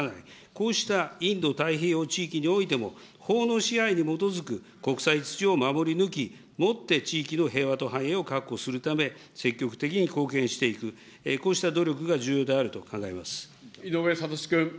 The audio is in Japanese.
こうしたインド太平洋地域においても法の支配に基づく国際秩序を守り抜き、もって地域の平和と繁栄を確保するため、積極的に貢献していく、こうした努力が重要で井上哲士君。